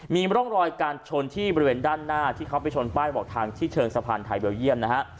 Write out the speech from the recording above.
มีร่องรอยการชนที่บริเวณด้านหน้าที่เขาไปชนป้ายบอกทางที่เชิงสะพานไทยเบลเยี่ยมนะฮะ